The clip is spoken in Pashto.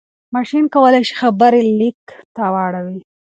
ماشين کولای شي خبرې ليک ته واړوي.